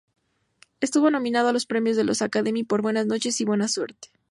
Estuvo nominado a los Premios de la Academy por "Buenas noches, y buena suerte".